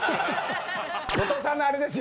⁉後藤さんのあれですよ。